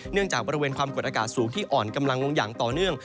จากบริเวณความกดอากาศสูงที่อ่อนกำลังลงอย่างต่อเนื่อง